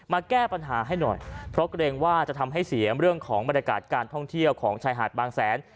แก้ปัญหาให้หน่อยเพราะเกรงว่าจะทำให้เสียเรื่องของบรรยากาศการท่องเที่ยวของชายหาดบางแสน